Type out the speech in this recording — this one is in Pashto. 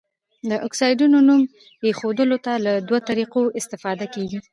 د اکسایډونو نوم ایښودلو کې له دوه طریقو استفاده کیږي.